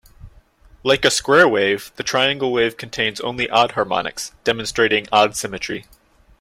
Like a square wave, the triangle wave contains only odd harmonics, demonstrating odd symmetry.